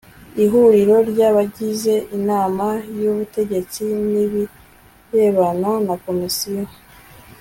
ihuriro ry abagize inama y ubutegetsi n ibirebana na komisiyo